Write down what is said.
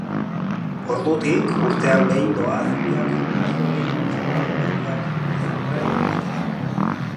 Ordutik, urtean behin doaz biak gurasoei eskolako berriak aurrez aurre ematera.